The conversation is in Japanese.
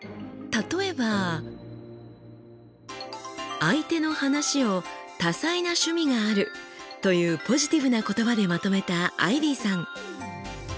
例えば相手の話を「たさいなしゅみがある」というポジティブな言葉でまとめたアイビーさん。